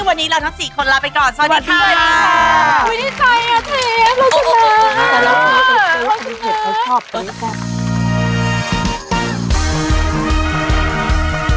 วันนี้เราทั้ง๔คนลาไปก่อนสวัสดีค่ะสวัสดีค่ะสวัสดีค่ะ